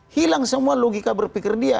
hilang semua logika berpikir dia